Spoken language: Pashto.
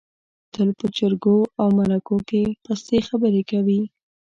تل په جرګو او مرکو کې پستې خبرې کوي.